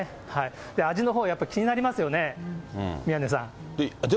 味のほう、やっぱり気になりますよね、でも。